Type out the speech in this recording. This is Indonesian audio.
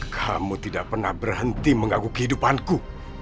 kamu tidak pernah berhenti mengaguki hidupanku